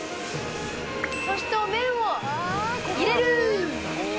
そしてお麺を入れる！